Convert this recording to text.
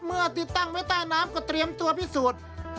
เมื่อติดตั้งไว้ใต้น้ำก็เตรียมตัวพิสูจน์